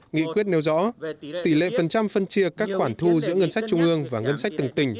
nghị quyết nêu rõ tỷ lệ phần trăm phân chia các khoản thu giữa ngân sách trung ương và ngân sách từng tỉnh